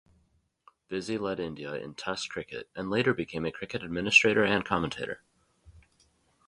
Vizzy led India in Test cricket and later became a cricket administrator and commentator.